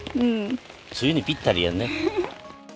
梅雨にぴったりやね。